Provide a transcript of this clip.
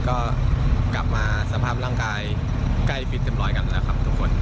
ก็กลับมาสภาพร่างกายใกล้ฟิตเต็มร้อยกันแล้วครับทุกคน